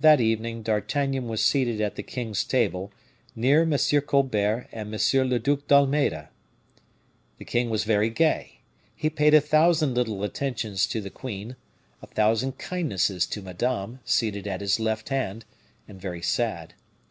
That evening D'Artagnan was seated at the king's table, near M. Colbert and M. le Duc d'Almeda. The king was very gay. He paid a thousand little attentions to the queen, a thousand kindnesses to Madame, seated at his left hand, and very sad.